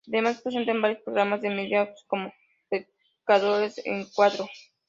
Además presenta en varios programas de Mediaset, como "Pecadores" en Cuatro.